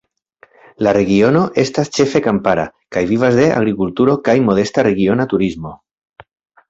La regiono estas ĉefe kampara kaj vivas de agrikulturo kaj modesta regiona turismo.